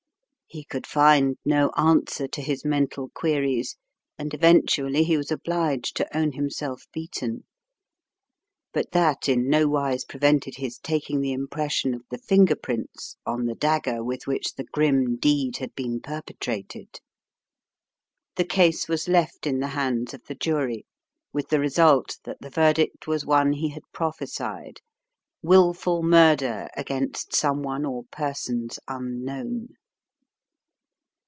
He could find no answer to his mental queries, and eventually he was obliged to own himself beaten. But that in nowise prevented his taking the impres sion of the finger prints on the dagger with which the grim deed had been perpetrated. The case was 80 The Riddle of the Purple Emperor left in the hands of the jury with the result that the verdict was one he had prophesied, "wilful murder against someone or persons unknown."